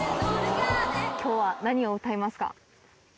今日は何を歌いますか？